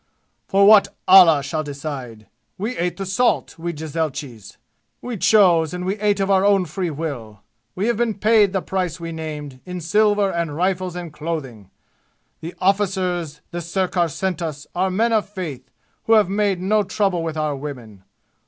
"For what Allah shall decide! We ate the salt, we jezailchis. We chose, and we ate of our own free will. We have been paid the price we named, in silver and rifles and clothing. The arrficers the sirkar sent us are men of faith who have made no trouble with our women.